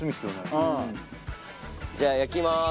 じゃあ焼きます。